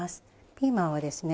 ピーマンはですね